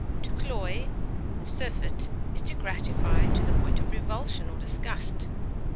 To cloy or surfeit is to gratify to the point of revulsion or disgust.